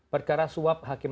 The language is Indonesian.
perkara suap hakim